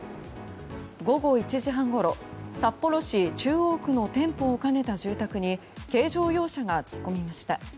午後１時半ごろ、札幌市中央区の店舗を兼ねた住宅に軽乗用車が突っ込みました。